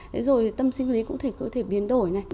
thế rồi tâm sinh lý cũng có thể biến đổi này